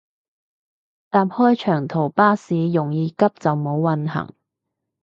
搭開長途巴士容易急就冇運行